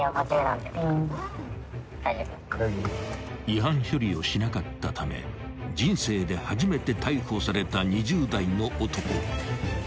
［違反処理をしなかったため人生で初めて逮捕された２０代の男］